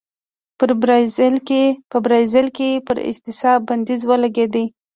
په برازیل کې پر اعتصاب بندیز ولګېد.